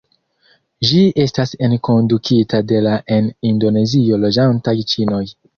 Ĝi estas enkondukita de la en Indonezio loĝantaj ĉinoj.